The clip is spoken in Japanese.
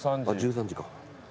１３時か。